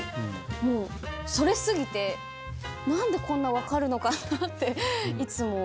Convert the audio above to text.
もうそれ過ぎて何でこんな分かるのかなっていつも思います。